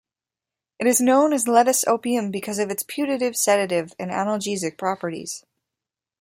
It is known as lettuce opium because of its putative sedative and analgesic properties.